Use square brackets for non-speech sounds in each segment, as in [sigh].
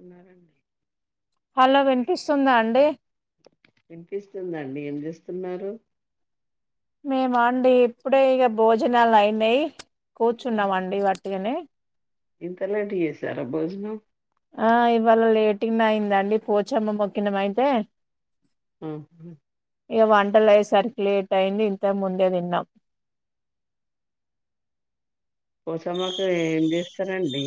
ఉన్నారండి హలో వినిపిస్తుందా అండి వినిపిస్తుందండి ఏం చేస్తున్నారు మేమ అండి ఇప్పుడే ఇగా భోజనాలు అయినాయి కూర్చున్నామండి వట్టిగనే ఇంత లేట్ చేసారా భోజనం ఆ ఇవాళ లేట్గానే అయిందండి పోచమ్మ మొక్కినము అయితే ఉ హు ఇగ వంటలు అయ్యే సరికి లేట్ అయింది ఇంతముందే తిన్నాం పోచమ్మకు ఏం చేస్తారండి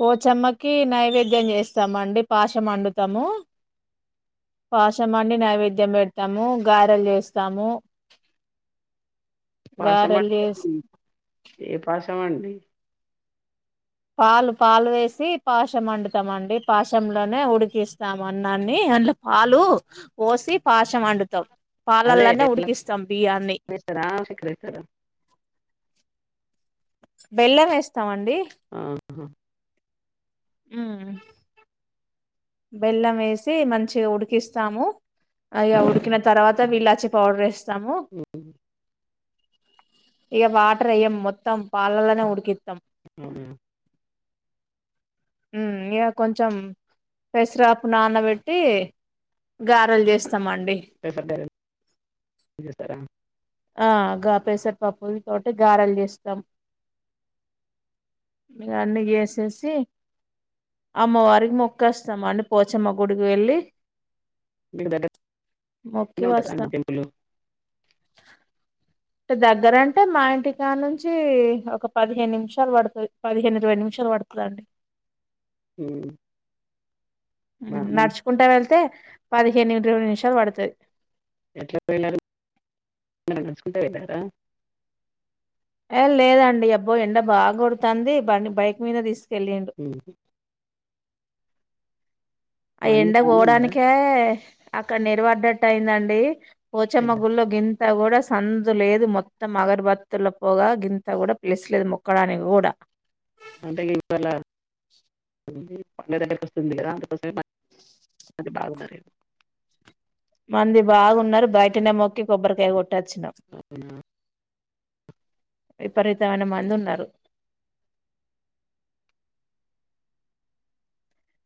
పోచమ్మకి నైవేద్యం చేస్తమండి పాశం వండుతాము పాశం వండి నైవేద్యం పెడతాము గారెలు చేస్తాము పాశం గారెలు చేస్ తమండి పాలు పాలు వేసి పాశం అండుతామాండి పాశంలోనే ఉడికిస్తాం అన్నాన్ని అన్ల పాలు ఓసి పాశం వండుతాం అదే పాలల్లనే బెల్లం ఉడికిస్తాం బియ్యాన్ని వేస్తారా చక్కెర వేస్తారా బెల్లం వేస్తామండి అండి ఉహు ఉ బెల్లం వేసి మంచిగా ఉడికిస్తాము అ ఇగఉడికిన తర్వాత వీలాచి పౌడర్ ఏస్ ఉ ఇగ వాటర్ ఏయం మొత్తం పాలల్లా నే ఉడ్కిత్ ఉ ఇగ కొంచెం పెసరాపు నానబెట్టి గారెలు చేస్తు పెసర గారెలు చేస్తరా ఆ గా పెసర పప్పు తోటి గారెలు చేస్తాం ఇవన్నీ చేసేసి అమ్మవారికి మొక్కస్తం అండి పోచమ్మ గుడికి వెళ్ళి మీకు మొక్కి దగ్గర్నే ఉంటద వస్తాం అండి టెంపులు దగ్గరంటే మా ఇంటికానుంచి ఒక పదిహేను నిమిషాలు పడుతది పదిహేను ఇరవై నిమిషాలు పడుతదండి హు నడుచుకుంటా వెళ్తే పదిహేను ఇరవై నిమిషాలు పడుతది ఎట్లా వెళ్లారం మీరు నడుసుకుంటా వెళ్ళారా ఏ లేదండి అబ్బో ఎండ బాగ కొడుతంది బండి బైక్ మీద తీసు కెళ్ళిండు ఉమ్. ఆ మంది ఎండ బానే ఉన్నారా పోవడానికే అక్కడ నేరివడ్డట్టు అయిందండి పోచమ్మ అయ్యా. గుల్లో గిం ఇంత కూడా సందు లేదు మొత్తం అగర్బత్తుల పోగా గింత కూడా ప్లేస్లేదు మొక్కడానికి కూడా అంటే ఇవాళ పండగ దగ్గకి వస్తుంది కదా అందుకోసమ అ బాగుదరలేదు మంది బాగున్నారు బయటనే మొక్క కొబ్బరికాయ కొట్టొచ్చినాం అవునా విపరీతమైన మంది ఉన్నారు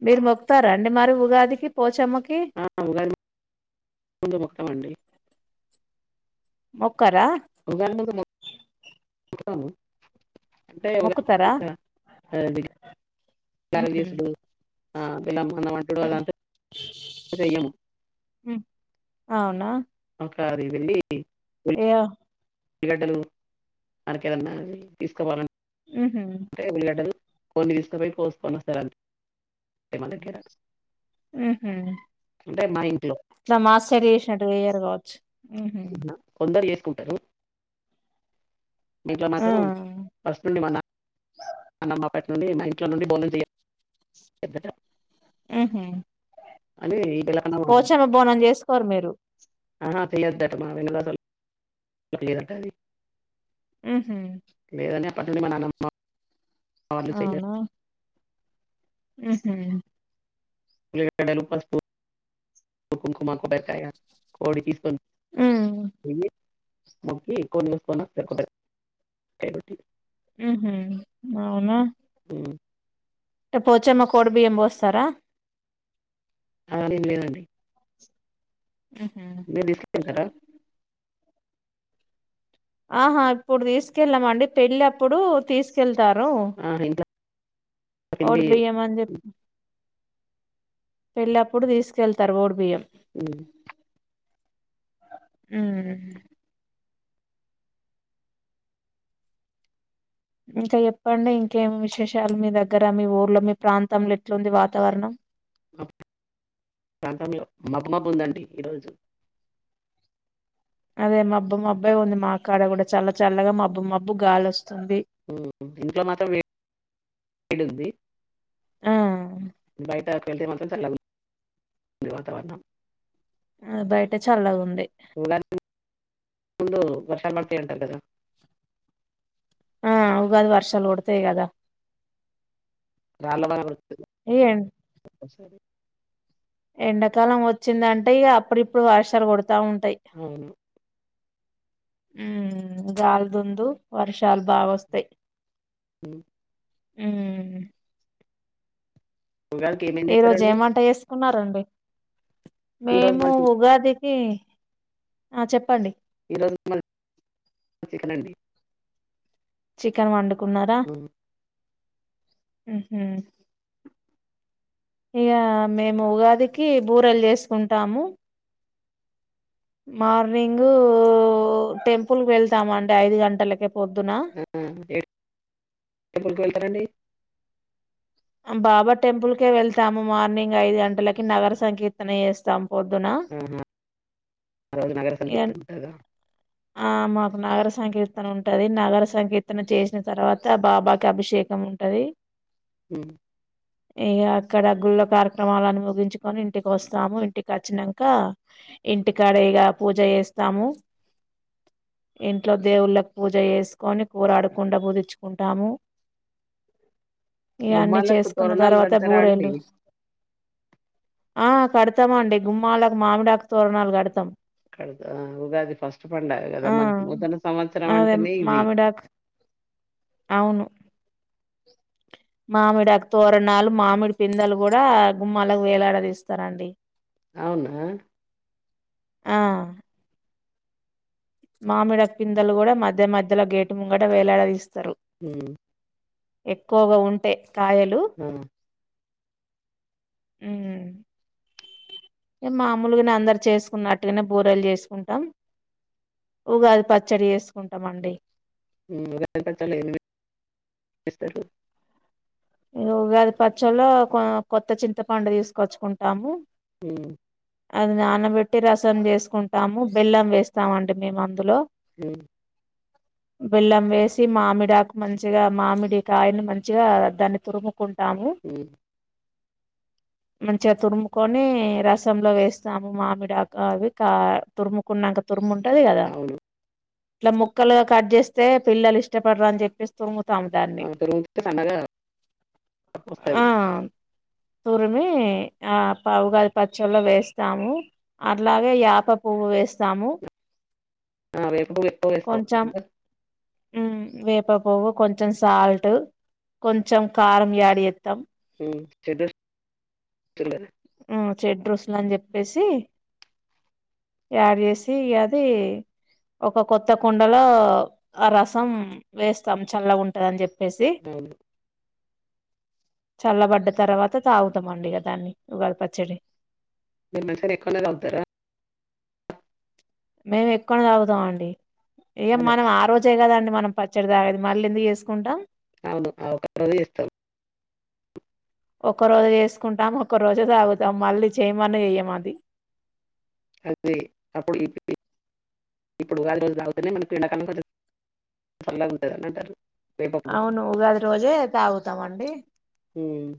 మీరు మొక్తారాండి మరి ఉగాదికి పోచమ్మకి ఆ ఉగాది ముందు మొక్కుతం అండి మొక్కరా ఒకేవేళ మేము మొక్కుతాము అంటే మొక్కుతారా ఉహు తీసుడు ఆ బెల్లం అన్నం అండుడు అదంతా చెయ్యము అవునా ఓకే సరి వెళ్ళి ఏయా ఎలిగడ్డలు మనకేదాన్నా తీసుకోవాలని ఉహు అంటే విల్లాటల్ కొన్ని తీసుకుపోయే పో ఫన్స్తారు అ మ గరా ఆహ అంటే మ ఇం ఇట్లా మా సైడు చేసినట్టు చెయ్యరు కావచ్చు మ్మ్ హ్మ్మ్ కుంటరు మీట్లో ఆ మాత్రం వస్తుండి మన్న అన్నమ్మ పటి నుండి మా ఇంట్లో నుండి బోనం చేయద్దట ఆహ అదే పోచమ బోనం చేసుకో కోర్ మీరు ఫడట్టమా పట ఆహమ్ పట్టడి మననమ్ అవునా ఆహ పసుపు కుంకుమ అంత ఒకటి తీసుకొని ఉ ఏ ముగ్కి ఎక్కువన్సుకోన్నారుబట్టి మ్మ్ హ్మ్మ్ అవును మ్మ్ పోచ్చమ్మ కోడ బియ్యం పోస్తారా ఆ లేదండి ఉహు [inaudible] ఆహా ఇప్పుడు తీసుకెళ్ళమండి పెళ్లప్పుడు తీసుకెళ్ తారు ఆ ఇంట్లో ఓడు కింది బియ్యం అన్ జెప్పి పెళ్ళప్పుడు తీసుకెళ్తారు వోడు బియ్యం మ్మ్ మ్మ్ ఇంకా చెప్పండి ఇంకేమి విశేషాలు మీ దగ్గర మీ ఊర్లో మీ ప్రాంతంలో ఎట్లుంది వాతావరణం ప్రాంతంలో మబ్బు మబ్బు ఉందండి ఈరోజు అదే మబ్బు మబ్బె ఉంది మా కాడ కూడా చల్ల చల్లగా మబ్బు మబ్బు గాలి వస్ ఇంట్లో మాత్రం వే డుంది ఆ! బయట వెళ్తే మాత్రం చల్లగు ది వాతావరణం అ బయట చల్లగుంది ఉగాది ముందు వర్షాలు పడతాయంట కదా ఆ ఉగాది వర్షాలు పడతాయ్ గద రాళ వాన [unintelligible] వస్తది ఎండాకాలం వచ్చిందంటే ఇగ అప్పుడు ఇప్పుడు వర్షాలు పడుత్ తా ఉంటాయి అవును మ్ గాలిదుందు వర్షాలు బాగొస్తయ్ మ్మ్ ఉమ్ ఉగాదికి ఏమేం చేస్తరండి కున్నారండి రోజు మేము మరి చి- ఉగాది ఏ ఆ చెప్పండి ఈ రోజు మాద్ చికెన్ అండి చికెన్ వండు కున్నారా ఉమ్. మ్మ్ హ్మ్ ఇగ మేము ఉగాదికి బూరెలు చేసుకుంటాము. మార్నింగ్ టెంపుల్ కు వెళ్తామండి ఐదు గంటలకి ఆ [unintelligible] వెళ్తారండి బాబా టెంపుల్కే వెళ్తాము మార్నింగ్ ఐదు గంటలకి నగర సంకీర్తన చేస్తాం పొద్దున ఆహా రోజు నగర ఇగ సంకీర్తన ఉంటాదా ఆ మాకు నగర సంకీర్తన ఉంటది నగర సంకీర్తన చేసిన తర్వాత బాబాకి అభిషేకం ఉంటది. హ్మ్ ఇక అక్కడగ్గుల్లో కార్యక్రమాలను ముగించుకొని ఇంటికి వస్తాము ఇంటికి వచ్చినాంక ఇంటికాడ ఇక పూజ చేస్తాము. ఇంట్లో దేవుళ్ళకి పూజ చేసుకొని కూరాడుకుండా పూధిచ్చుకుంటాము. ఇవన్నీ గుమ్మాలకు చేసుకున్న తోరణాలు తర్వాత కడతారా అండి బూరెలు ఆ కడతామా అండి గుమ్మాలకు మామిడాకు తోరణాలు కడతాం అక్కడ ఉగాది ఫస్ట్ పండుగా కదా ఆ మనకి నూతన సంవత్సరం అదే అంటేనే ఇది మామిడాకు మామిడి అ తోరణాలు మామిడి పిందలు కూడా గుమ్మాలకు వేలాడదిస్తారండి అవునా ఆ మామిడ పిందలు కూడా మధ్య మధ్యలో గేటు ముంగట వేలాడదిస్తారు మ్ ఎక్కువగా ఉంటే కాయలు ఆ మ్ ఏ మామూలుగానే అందరు చేసుకున్నట్టుగానే బూరెలు చేసుకుంటాం, ఉగాది పచ్చడి చేసుకుంటాం అండి. మ్ [unintelligible] ఉగాది పచ్చలో కొ కొత్త చింతపండు తీసుకొచ్చుకుంటాము, ఉమ్ అది నానబెట్టి రసన్ని వేసుకుంటాము, బెల్లం వేస్తామండి మేము అందులో మ్ బెల్లం వేసి మామిడాకు మంచిగా మామిడి కాయని మంచిగా దాన్ తురుము కుంటాము ఉమ్ మంచిగా తురుముకొని రసంలో వేస్తాము, మామిడాక అవి కా తురుముకున్నాక తురుము ట్టది కదా అవును ఇట్లా ముక్కలు కట్ చేస్తే పిల్లలు ఇష్టపడ్ర అని చెప్పేస్ [inaudible] పండగ ఆ తురిమి ఆ పా ఉగాది పచ్చడి ల వేస్తాము అట్లాగే యాప పువ్వు వేస్తాము ఆ వే [inaudible] ఊ వేప పువ్వు కొంచెం సల్ట్ కొంచెం కారం యాడు ఏత్తం [inaudible] ఊ చెడ్ రుసులు అని చెప్పేసి యాడ్ చేసి అది ఒక కొత్త కుండలో ఆ రసం వేస్తాం చల్ల గుంటంది అని చెప్ [inaudible] చల్లబడ్డ తర్వాత తాగుతమండి ఇగ దాన్ని ఉగాది పచ్చడి [inaudible] ఎక్కువనే తాగుతారా మేం ఎక్కువనే తాగుతాం అండి ఇగ అదే మనం ఆ రోజే కదన్ మనం పచ్చడి తాగేది మళ్ళీ ఎందుకు చేసుకుంటాం అవును ఆ ఒక్కరోజే చేస్తాం ఒక్కరోజే చేసుకుంటాం ఒక్క రోజే తాగుతాం మళ్ళీ చేయమన్నా చెయ్యం అది అది అప్పుడు ఇప్పుడు ఉగాది రోజు తాగుతేనే మనకు ఎండాకాలం కొంచెం చల్లగుంటది అన్నట్టు [inaudible] అవును ఉగాది రోజే తాగుతామండి ఉమ్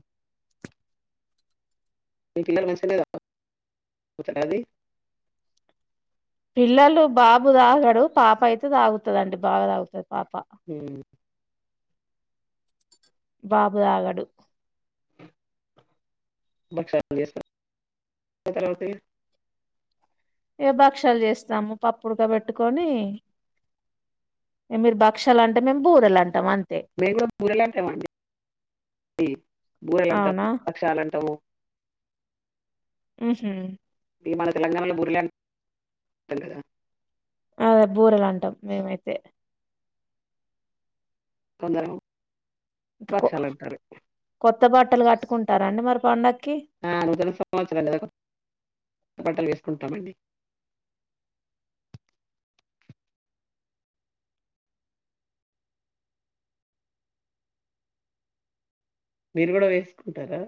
మీ పిల్లలు మంచిగానే [inaudible] పిల్లలు బాబు తాగడు పాప అయితే తాగుతందండి బాబ తాగుతది పాప హ్మ్. బాబు తాగాడు [unintelligible] ఏ భక్షలు చేస్తాము పప్పు ఉడుకా పెట్టుకొని, మీరు భక్షలు అంటే మేము బూరెలు అంటాం అం బెంగళూరు బూరెలు అంటామండి బూరెలు అవునా అంటాము పక్షాలు అంటాము మ్ హు తెలంగాణలో బూరెలు [unintelligible] అదే బూరెలు అంటాం మేమైతే [unintelligible] ఇ కొ భక్షాలు అంటారు. కొత్తపాట్ పట్టలు కట్టుకుంటార అండి మరి పండ హా ఒకటో సంవత్సరం బట్టలు వేసుకుంటమండి మీరు కుడా వేసుకుంటారా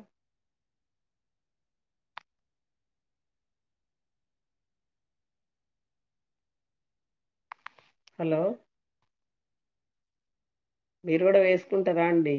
హలో మీరు కూడా వేసుకుంటారండి